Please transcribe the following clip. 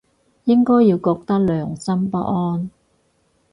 應該要覺得良心不安